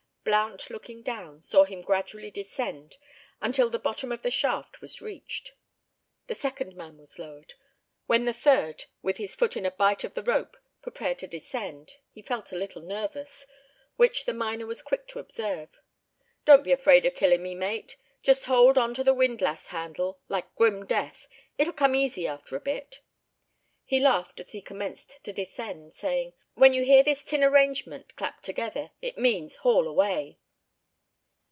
Blount looking down, saw him gradually descend, until the bottom of the shaft was reached. The second man was lowered. When the third with his foot in a bight of the rope prepared to descend, he felt a little nervous, which the miner was quick to observe. "Don't be afraid of killin' me, mate! just hold on to the windlass handle like grim death. It'll come easy after a bit." He laughed as he commenced to descend, saying, "When you hear this tin arrangement clap together, it means 'haul away.